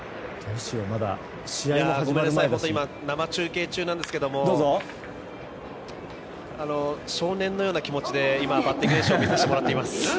生中継なんですけれども少年のような気持ちでバッティング練習を見させていただいています。